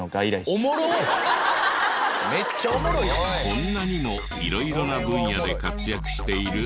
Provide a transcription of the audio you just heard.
こんなにも色々な分野で活躍しているＡＩ。